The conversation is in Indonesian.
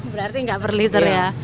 berarti nggak per liter ya